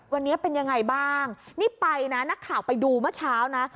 วันนี้เป็นยังไงบ้างนี่ไปนะนักข่าวไปดูเมื่อเช้านะ